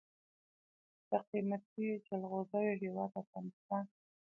د قیمتي جلغوزیو هیواد افغانستان.